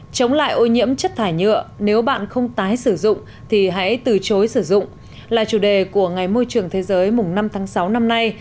chống lại ô nhiễm chất thải nhựa nếu bạn không tái sử dụng thì hãy từ chối sử dụng là chủ đề của ngày môi trường thế giới mùng năm tháng sáu năm nay